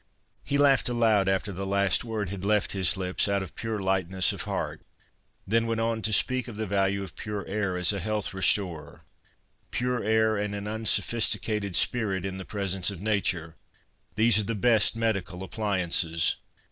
' He laughed aloud, after the last word had left his lips, out of pure lightness of heart, then went on to speak of the value of pure air as a health restorer :' Pure air and an unsophisticated spirit in the pres ence of Nature — these are the best medical appli ances.'